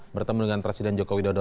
bertemu presiden joko widodo